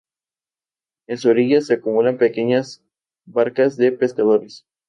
En su orilla se acumulan pequeñas barcas de pescadores.